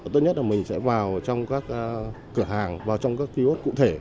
tốt nhất là mình sẽ vào trong các cửa hàng vào trong các ký ốt cụ thể